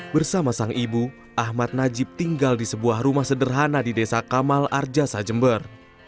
bersama sang ibu ahmad najib tinggal di sebuah rumah sederhana di desa kamal arjasa jember